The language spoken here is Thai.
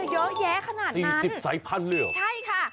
อะไรจะเยอะแยะขนาดนั้นสี่สิบสายพันธุ์เหรอใช่ค่ะ